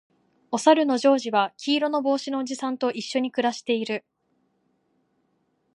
おさるのジョージは黄色の帽子のおじさんと一緒に暮らしている